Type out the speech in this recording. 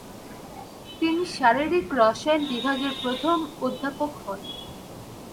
তিনি শারীরিক রসায়ন বিভাগের প্রথম অধ্যাপক হন।